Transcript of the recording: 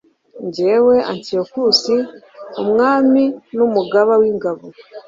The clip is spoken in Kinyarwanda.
jyewe antiyokusi, umwami n'umugaba w'ingabo